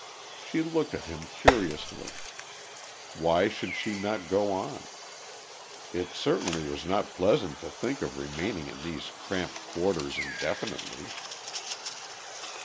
She looked at him curiously: why should she not go on? It certainly was not pleasant to think of remaining in these cramped quarters indefinitely.